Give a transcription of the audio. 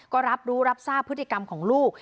ก็รับรู้รับทราบพฤติกรรมของลูก